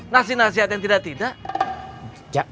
nasi nasihat yang tidak tidak